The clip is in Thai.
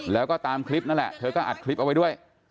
แล้วก็ตามคลิปนั่นแหละเธอก็อัดคลิปเอาไว้ด้วย